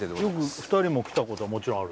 ２人も来たこともちろんある？